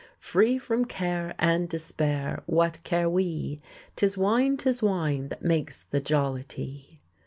"Free from care and despair, What care we? 'Tis wine, 'tis wine That makes the jollity."